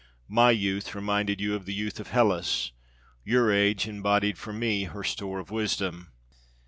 My youth reminded you of the youth of Hellas, your age embodied for me her store of wisdom.